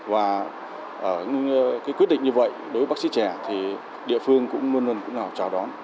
và những quyết định như vậy đối với bác sĩ trẻ thì địa phương cũng luôn luôn cũng nào chào đón